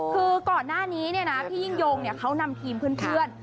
คือก่อนหน้านี้พี่ยิ่งยงเขานำทีมเพื่อน